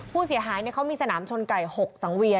ผู้เสียหายเขามีสนามชนไก่๖สังเวียน